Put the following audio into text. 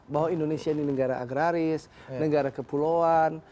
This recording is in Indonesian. bahwa indonesia ini negara agraris negara kepulauan